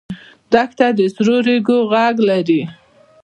دښته د سرو ریګو غږ لري.